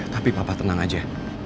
tapi papa tenang aja